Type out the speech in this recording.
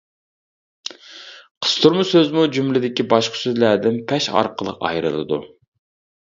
قىستۇرما سۆزمۇ جۈملىدىكى باشقا سۆزلەردىن پەش ئارقىلىق ئايرىلىدۇ.